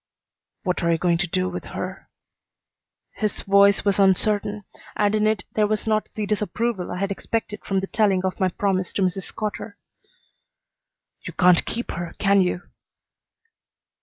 "What are you going to do with her?" His voice was uncertain, but in it there was not the disapproval I had expected from the telling of my promise to Mrs. Cotter. "You can't keep her, can you?"